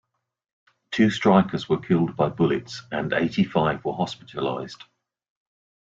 Two strikers were killed by bullets, and eighty-five were hospitalized.